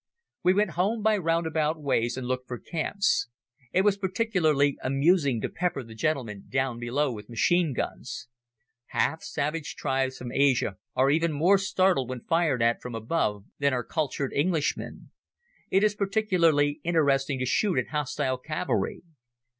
We went home by roundabout ways and looked for camps. It was particularly amusing to pepper the gentlemen down below with machine guns. Half savage tribes from Asia are even more startled when fired at from above than are cultured Englishmen. It is particularly interesting to shoot at hostile cavalry.